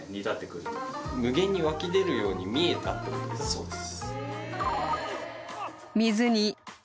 そうです。